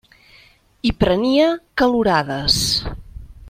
I prenia calorades.